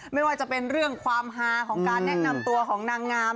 ไม่ว่าจะเป็นเรื่องความฮาของการแนะนำตัวของนางงาม